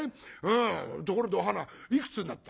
ところでお花いくつになった？」。